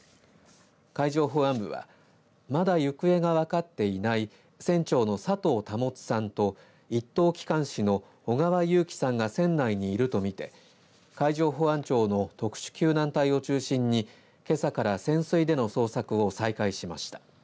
海上保安部はまだ行方が分かっていない船長の佐藤保さんと１等機関士の小川有樹さんが船内にいるとみて海上保安庁の特殊救難隊を中心に、けさから潜水での捜索を再開しました。